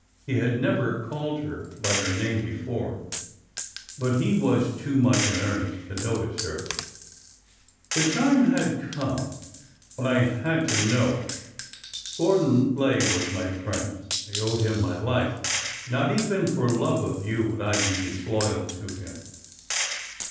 He had never called her by her name 378 ORDER NO. 11 before. But he was too much in earnest to notice her surprise. ''—the time had come when I had to know. Gordon Lay was my friend; I owed him my life; not even for lovfe of you would I be disloyal to him.